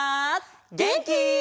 げんき？